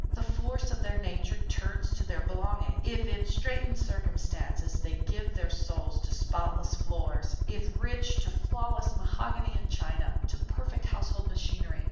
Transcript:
The force of their natures turns to their belongings. If in straitened circumstances they give their souls to spotless floors; if rich, to flawless mahogany and china, to perfect household machinery.